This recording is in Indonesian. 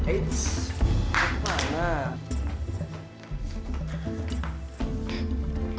eits apaan lah